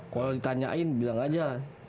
kalau ditanyain bilang aja